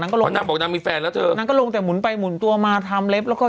ก็ลงนางบอกนางมีแฟนแล้วเธอนางก็ลงแต่หมุนไปหมุนตัวมาทำเล็บแล้วก็